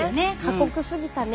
過酷すぎたね。